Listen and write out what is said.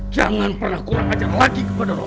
jangan pernah kurang ajar lagi kepada allah